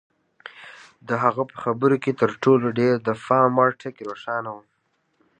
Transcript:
د هغه په خبرو کې تر ټولو ډېر د پام وړ ټکی روښانه و.